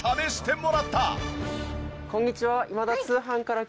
こんにちは。